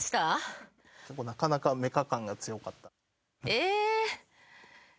え。